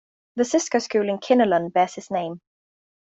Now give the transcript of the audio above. The Sisco school in Kinnelon bears his name.